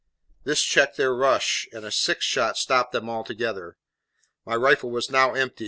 This checked their rush, and a sixth shot stopped them altogether. My rifle was now empty.